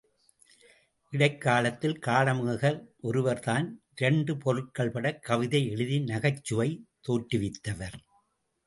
இடைக்காலத்தில் காளமேகம் ஒருவர் தான் இரண்டு பொருள்படக் கவிதை எழுதி நகைச்சுவை தோற்றுவித்தவர்.